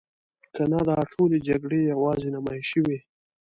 کنه دا ټولې جګړې یوازې نمایشي وي.